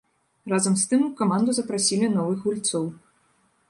Разам з тым у каманду запрасілі новых гульцоў.